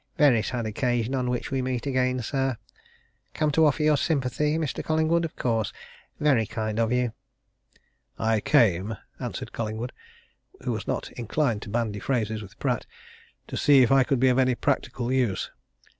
"Very sad occasion on which we meet again, sir. Come to offer your sympathy, Mr. Collingwood, of course very kind of you." "I came," answered Collingwood, who was not inclined to bandy phrases with Pratt, "to see if I could be of any practical use."